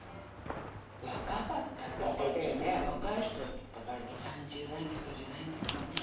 若かったって、若い人だから、２、３０代の人じゃないんですかね。